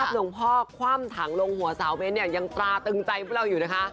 หลวงพ่อคว่ำถังลงหัวสาวเบ้นเนี่ยยังตราตึงใจพวกเราอยู่นะคะ